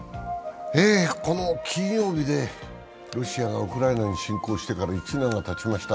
この金曜日でロシアがウクライナに侵攻してから１年がたちました。